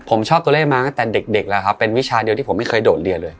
ผมชอบตัวเลขมาตั้งแต่เด็กแล้วครับเป็นวิชาเดียวที่ผมไม่เคยโดดเรียนเลย